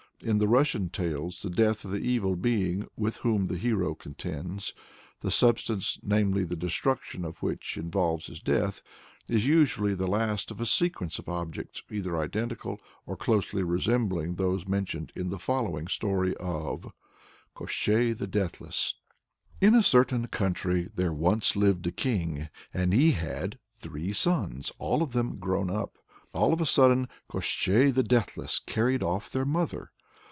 In the Russian tales the "death" of the Evil Being with whom the hero contends the substance, namely, the destruction of which involves his death is usually the last of a sequence of objects either identical with, or closely resembling, those mentioned in the following story of KOSHCHEI THE DEATHLESS. In a certain country there once lived a king, and he had three sons, all of them grown up. All of a sudden Koshchei the Deathless carried off their mother.